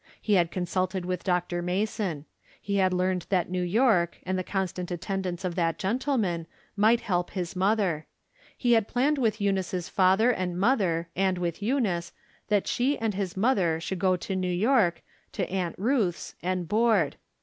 He had consulted with Dr. Mason. He had learned that New York, and the constant attendance of that gentleman, might help liis mother. He had planned mth Eunice's father and mother, and with Eunice, that she and his mother should go to New York, to Aunt Ruth's, and board.